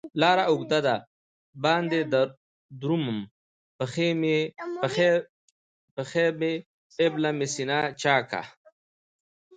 لار اوږده ده باندې درومم، پښي مې ابله سینه چاکه